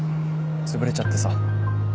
つぶれちゃってさ。